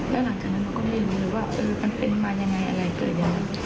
แล้วหลังจากนั้นมันก็ไม่รู้ว่ามันเป็นมันอย่างไรอะไรเกิดอยู่